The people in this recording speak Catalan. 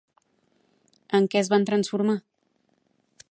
En què es van transformar?